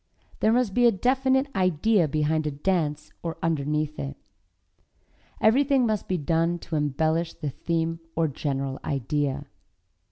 There must be a definite idea behind a dance or underneath it. Everything must be done to embellish the theme or general idea.